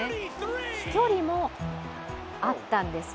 飛距離もあったんです。